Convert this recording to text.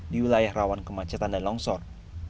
di wilayah rawan kemacetan dan longsor